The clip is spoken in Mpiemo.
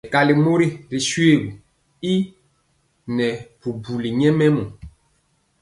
Mɛkali mori ri shuegɔ y nɛɛbubuli nyɛmemɔ.